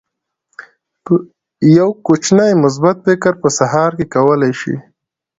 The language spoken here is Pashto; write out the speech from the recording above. یو کوچنی مثبت فکر په سهار کې کولی شي.